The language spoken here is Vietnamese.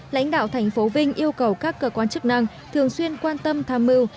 lãnh đạo thành phố vinh yêu cầu các cơ quan chức năng thường xuyên quan tâm tham mưu